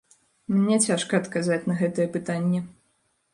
Мне цяжка адказаць на гэтае пытанне.